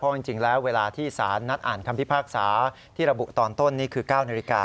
จริงแล้วเวลาที่สารนัดอ่านคำพิพากษาที่ระบุตอนต้นนี่คือ๙นาฬิกา